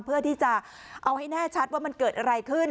เพื่อที่จะเอาให้แน่ชัดว่ามันเกิดอะไรขึ้น